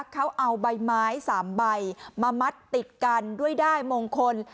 เขาเอาใบไม้๓ใบมามัดติดกันด้วยได้มงคล